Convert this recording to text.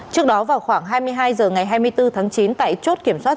trước đó vào khoảng hai mươi hai h ngày hai mươi bốn tháng chín tại chốt kiểm soát